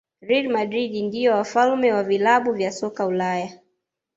real madrid ndio wafalme wa vilabu vya soka ulaya